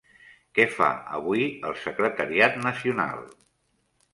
Què fa avui el Secretariat Nacional?